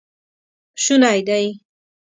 شونی دی